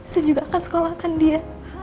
saya juga akan sekolahkan dia